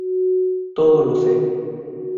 todo lo sé.